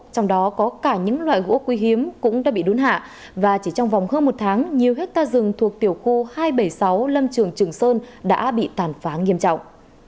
trong đó có cả những loại gỗ quý hiếm cũng đã bị đốn hạ và chỉ trong vòng hơn một tháng nhiều hectare rừng thuộc tiểu khu hai trăm bảy mươi sáu lâm trường trường sơn đã bị tàn phá nghiêm trọng